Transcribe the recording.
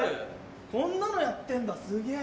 こんなのやってんだすげぇ！